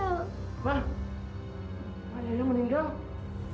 emak emaknya yang meninggal